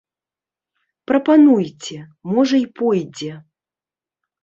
Прапануйце, можа і пойдзе.